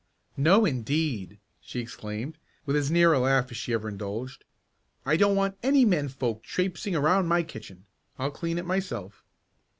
"No, indeed!" she exclaimed, with as near a laugh as she ever indulged. "I don't want any men folks traipsing around my kitchen. I'll clean it myself."